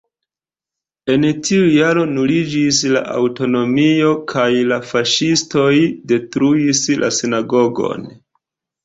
En tiu jaro nuliĝis la aŭtonomio kaj la faŝistoj detruis la sinagogon.